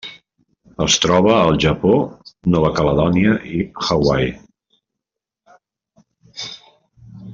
Es troba al Japó, Nova Caledònia i Hawaii.